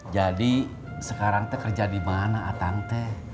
jadi sekarang te kerja di mana atang te